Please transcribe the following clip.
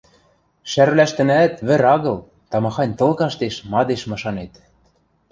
Шӓрвлӓштӹнӓӓт вӹр агыл, тамахань тыл каштеш, мадеш машанет.